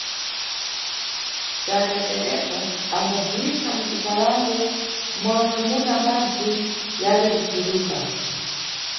Bzata terepo ambaziyikha mucikalango momwe muna madzi yali kupferuka.